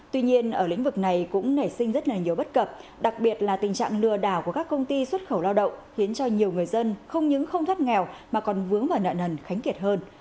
tuy nhiên ở lĩnh vực này cũng nảy sinh rất là nhiều bất cập đặc biệt là tình trạng lừa đảo của các công ty xuất khẩu lao động khiến cho nhiều người dân không những không thoát nghèo mà còn vướng vào nợ nần khánh kiệt hơn